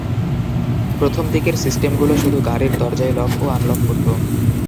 প্রথমদিকের সিস্টেমগুলো শুধু গাড়ির দরজাই লক ও আনলক করত।